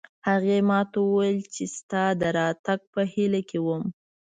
هغې ما ته وویل چې د تا د راتګ په هیله کې وم